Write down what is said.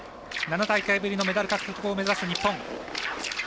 ７大会ぶりのメダル獲得を目指す、日本。